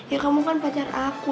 ya kamu kan pacar aku